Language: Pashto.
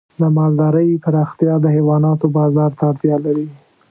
د مالدارۍ پراختیا د حیواناتو بازار ته اړتیا لري.